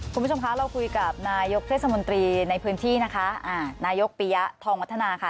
คุณผู้ชมคะเราคุยกับนายกเทศมนตรีในพื้นที่นะคะอ่านายกปียะทองวัฒนาค่ะ